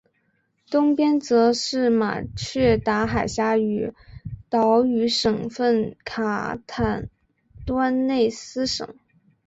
东边则是马却达海峡与岛屿省份卡坦端内斯省。